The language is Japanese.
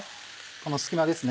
この隙間ですね